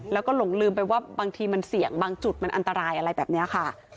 แล้วก็หลงลืมไปว่าบางทีมันเสี่ยงบางจุดมันอันตรายอะไรแบบนี้ค่ะ